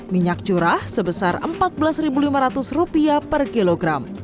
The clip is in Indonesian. minyak curah sebesar rp empat belas lima ratus per kilogram